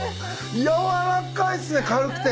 軟らかいっすね軽くて。